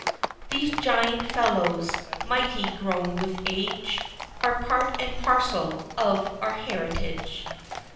"These giant fellows, mighty grown with age, Are part and parcel of our heritage."